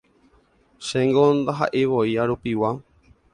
Chéngo ndahaʼeivoi arupigua”.